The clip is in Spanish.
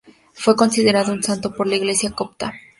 Fue considerado un santo por la Iglesia copta.